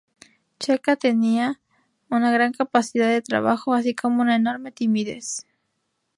Checa tenía una gran capacidad de trabajo, así como una enorme timidez.